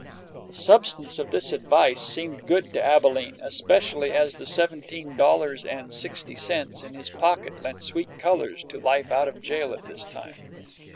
The substance of this advice seemed good to Abalene, especially as the seventeen dollars and sixty cents in his pocket lent sweet colors to life out of jail at this time.